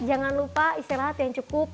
jangan lupa istirahat yang cukup